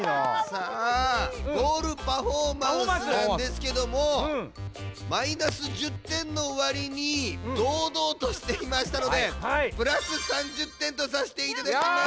さあゴールパフォーマンスなんですけどもマイナス１０点のわりにどうどうとしていましたのでプラス３０点とさせていただきます。